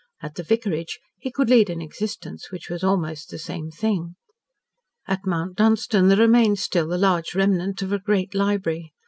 At the vicarage he could lead an existence which was almost the same thing. At Mount Dunstan there remained still the large remnant of a great library.